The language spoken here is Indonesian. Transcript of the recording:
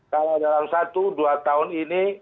kalau dalam satu dua tahun ini